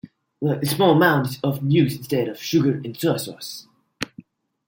A small amount is often used instead of sugar and soy sauce.